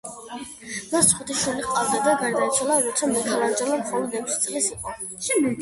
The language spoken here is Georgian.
მას ხუთი შვილი ჰყავდა და გარდაიცვალა, როცა მიქელანჯელო მხოლოდ ექვსი წლისა იყო.